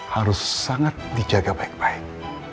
harus sangat dijaga baik baik